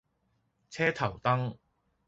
車頭燈